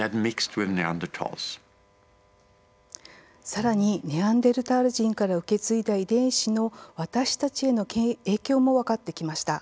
さらにネアンデルタール人から受け継いだ遺伝子の私たちへの影響も分かってきました。